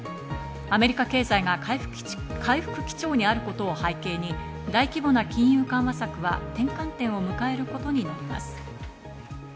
アメリカ経済が回復基調にあることを背景に、大規模な金融緩和策は転換点を迎えることになります。